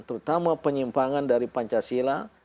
terutama penyimpangan dari pancasila